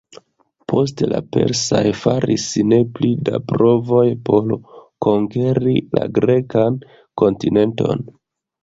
Poste la persaj faris ne pli da provoj por konkeri la grekan kontinenton.